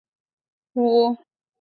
该反应的一般式如下。